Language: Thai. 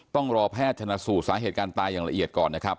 ต้องรอแพทย์ชนะสูตรสาเหตุการณ์ตายอย่างละเอียดก่อนนะครับ